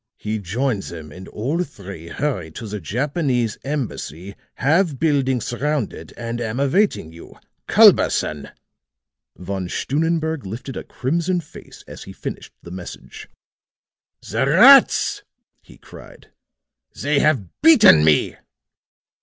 He joined them and all three hurried to the Japanese Embassy. Have building surrounded and am awaiting you. "CULBERSON." Von Stunnenberg lifted a crimson face as he finished the message. "The rats!" he cried. "They have beaten me!"